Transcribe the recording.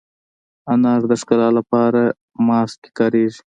انار د ښکلا لپاره ماسک کې کارېږي.